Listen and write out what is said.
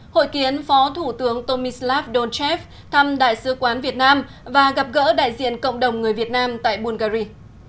hội kiến phó thủ tướng tomislav dolcev thăm đại sứ quán việt nam và gặp gỡ đại diện cộng đồng người việt nam tại bungary